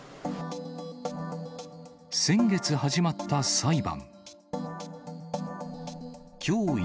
先月始まった裁判。